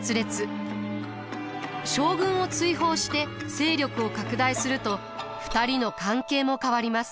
将軍を追放して勢力を拡大すると２人の関係も変わります。